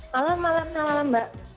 malam malam malam mbak